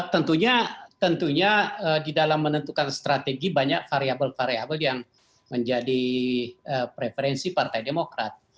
tentunya tentunya di dalam menentukan strategi banyak variable variabel yang menjadi preferensi partai demokrat